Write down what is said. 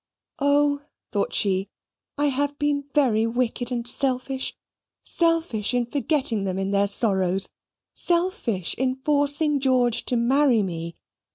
Oh! thought she, I have been very wicked and selfish selfish in forgetting them in their sorrows selfish in forcing George to marry me.